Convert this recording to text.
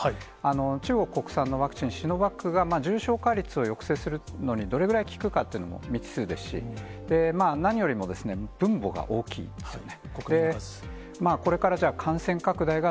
中国国産のワクチン、シノバックスが重症化率を抑制するのにどれぐらい効くかっていうのも未知数ですし、何よりも分母が大きいですよね。